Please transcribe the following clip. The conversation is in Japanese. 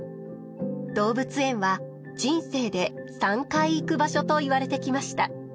動物園は人生で３回行く場所といわれてきました。